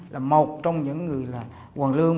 là một trong những người là quần lương